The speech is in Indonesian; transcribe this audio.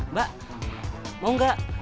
mbak mau gak